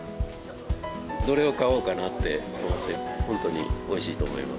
どれを買おうかなって思って、本当においしいと思います。